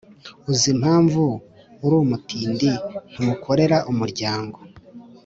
Uzimpamvu urumutindi ntukorera umuryango